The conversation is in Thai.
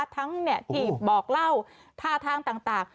ทั้งที่บอกเล่าท่าทางต่าง